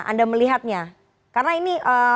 anda melihatnya karena ini